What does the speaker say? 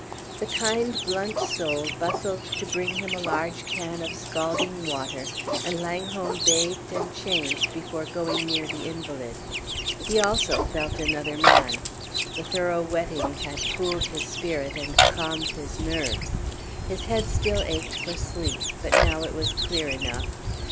The kind, blunt soul bustled to bring him a large can of scalding water, and Langholm bathed and changed before going near the invalid. He also felt another man. The thorough wetting had cooled his spirit and calmed his nerves. His head still ached for sleep, but now it was clear enough.